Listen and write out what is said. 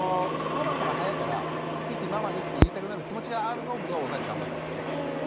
ママの方が早いからついついママにって言いたくなる気持ちがあるのを僕は押さえて頑張ってますけど。